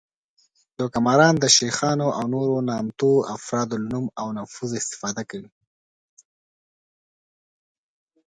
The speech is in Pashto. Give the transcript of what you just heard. دوکه ماران د شیخانو او نورو نامتو افرادو له نوم او نفوذ استفاده کوي